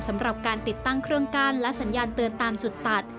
สำหรับการติดตั้งเครื่องกั้นและสัญญาณเตือนตามจุดตัด